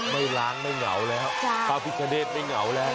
ไม่ล้างไม่เหงาแล้วพระพิคเนธไม่เหงาแล้ว